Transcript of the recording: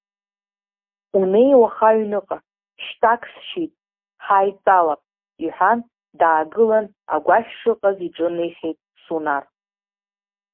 Унеи уаха аҩныҟа, шьтәак сшьит, ҳааидтәалап, — иҳәан, даагылан агәашә шыҟаз иҿынеихеит Сунар.